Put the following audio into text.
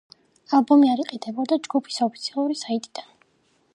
ალბომი არ იყიდებოდა ჯგუფის ოფიციალური საიტიდან.